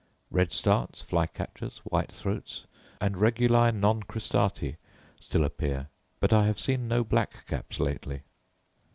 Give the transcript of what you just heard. Red starts, fly catchers, white throats, and reguli non cristati, still appear; but I have seen no black caps lately.